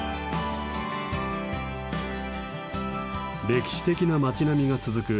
歴史的な町並みが続く